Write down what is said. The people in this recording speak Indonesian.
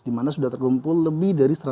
dimana sudah terkumpul lebih dari